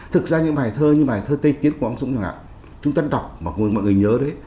thực ra những bài thơ như bài thơ tây tiến của quang dũng chúng ta đọc mà mọi người nhớ đấy